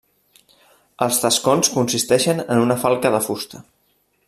Els tascons consisteixen en una falca de fusta.